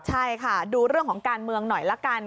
ใช่ค่ะดูเรื่องของการเมืองหน่อยละกัน